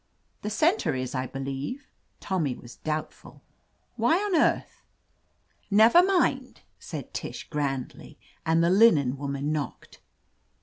"The center is, I believe," Tommy was doubtful. 'What on earth—" "Never mind!" said Tish grandly, and the linen woman knocked.